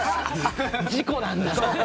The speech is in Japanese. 事故なんだ。